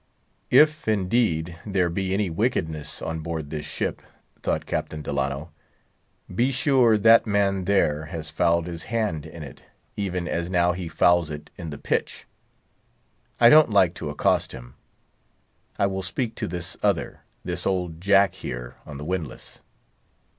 If, indeed, there be any wickedness on board this ship, thought Captain Delano, be sure that man there has fouled his hand in it, even as now he fouls it in the pitch. I don't like to accost him. I will speak to this other, this old Jack here on the windlass.